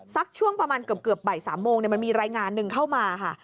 สักช่วงประมาณเกือบบ่าย๓โมงมันมีรายงานหนึ่งเข้ามาค่ะ